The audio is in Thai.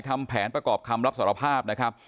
ทำแผนประกอบคำรับสารภาพนะครับ